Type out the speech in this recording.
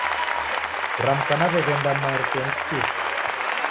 Kuramka naw'eenda marikonyi kishushe